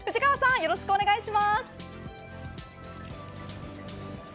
よろしくお願いします。